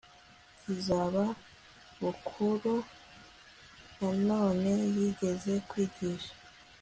cy iza bukuru Nanone yigeze kwigisha